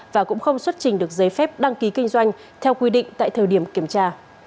và cũng không xuất trình được giấy phép đăng ký kinh doanh theo quy định tại thời điểm kiểm tra